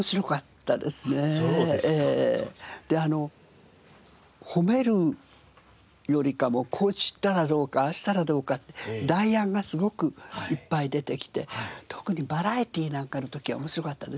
で褒めるよりかもこうしたらどうかああしたらどうかって代案がすごくいっぱい出てきて特にバラエティーなんかの時は面白かったですね。